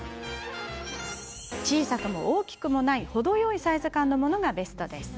小さくも大きくもない程よいサイズ感のものがベストです。